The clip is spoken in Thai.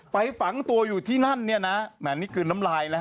ไปฝังตัวอยู่ที่นั่นเนี่ยนะแหมนี่กลืนน้ำลายนะ